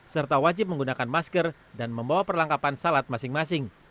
serta wajib menggunakan masker dan membawa perlengkapan salat masing masing